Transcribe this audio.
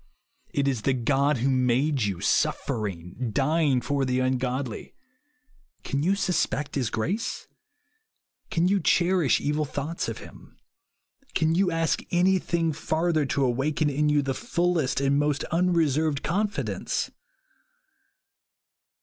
It is the God who made you, suffer ing, dying for the ungodly. Can you sus pect his grace? Can you cherish evil thoughts of him ? Can you ask anything farther to awaken in you the fullest and most unreserved confidence